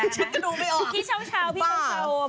ฉันจะดูไม่ออก